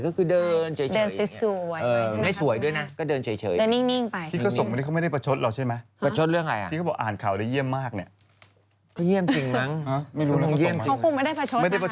ก็คือเดินเฉยอย่างนี้